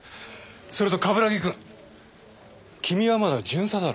それと冠城くん君はまだ巡査だろ。